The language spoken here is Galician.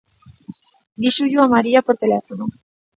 Díxollo a María por teléfono.